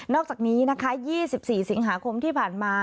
อกจากนี้นะคะ๒๔สิงหาคมที่ผ่านมา